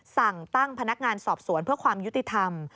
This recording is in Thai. สั่งตั้งพนักงานสอบสวนเพื่อความยุติธรรม